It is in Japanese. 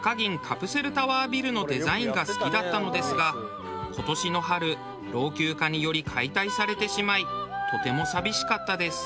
カプセルタワービルのデザインが好きだったのですが今年の春老朽化により解体されてしまいとても寂しかったです。